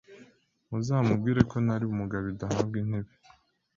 Muzamubwire ko Nari umugabo idahabwa intebe